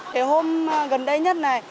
thì hôm gần đây nhất này